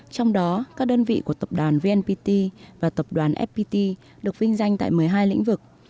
trong đó các đơn vị của tập đoàn vnpt và tập đoàn fpt được vinh danh tại một mươi hai lĩnh vực